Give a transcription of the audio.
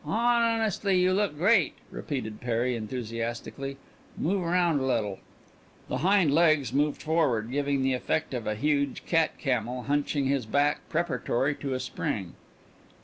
"Honestly, you look great!" repeated Perry enthusiastically. "Move round a little." The hind legs moved forward, giving the effect of a huge cat camel hunching his back preparatory to a spring.